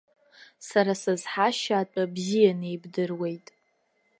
Сара сызҳашьа атәы бзианы ибдыруеит.